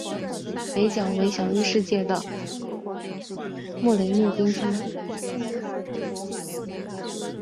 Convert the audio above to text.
北角为享誉世界的莫雷诺冰川。